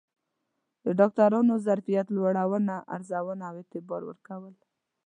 د ډاکترانو ظرفیت لوړونه، ارزونه او اعتبار ورکول